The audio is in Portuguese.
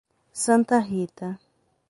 Santa Rita